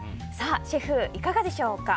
シェフ、いかがでしょうか？